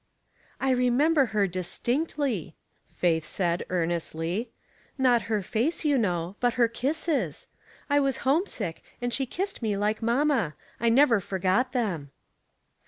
'' I remember her distinct! y^^^ Faith said ear nestly. " Not her face, you know, but her kisses. I was homesick, and she kissed me like mamma. I never forgot them."